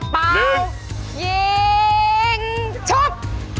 เปายิงชุด